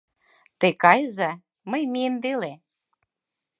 — Те кайыза, мый мием веле.